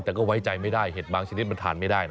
แต่ก็ไว้ใจไม่ได้เห็ดบางชนิดมันทานไม่ได้นะ